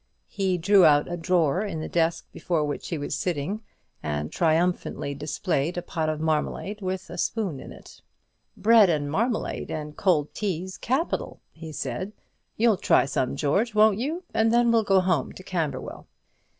He drew out a drawer in the desk before which he was sitting, and triumphantly displayed a pot of marmalade with a spoon in it. "Bread and marmalade and cold tea's capital," he said; "you'll try some, George, won't you? and then we'll go home to Camberwell." Mr.